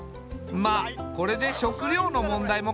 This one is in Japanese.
まあこれで食料の問題も解決だな。